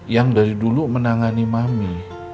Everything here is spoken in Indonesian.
yang dari dulu menangani mami